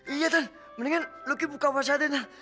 iya tan mendingan lu ki buka puasanya